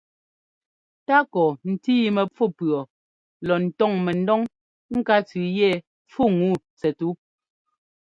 Takɔ ntíi mɛfú pʉɔ lɔ ńtɔ́ŋ mɛdɔŋ ŋká tsʉʉ yɛ pfúŋu tsɛttu.